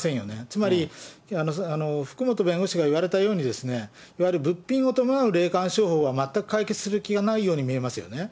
つまり福本弁護士が言われたように、いわゆる物品を伴う霊感商法は全く解決する気がないように見えますよね。